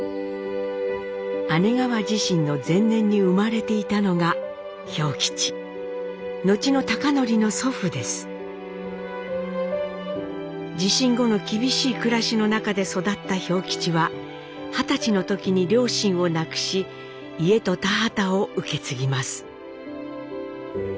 姉川地震の前年に生まれていたのが地震後の厳しい暮らしの中で育った兵吉は二十歳の時に両親を亡くし家と田畑を受け継ぎます。